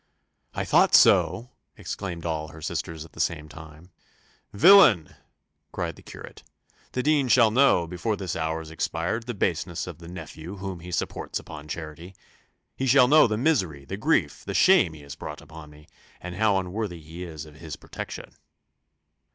"I thought so," exclaimed all her sisters at the same time. "Villain!" cried the curate. "The dean shall know, before this hour is expired, the baseness of the nephew whom he supports upon charity; he shall know the misery, the grief, the shame he has brought on me, and how unworthy he is of his protection."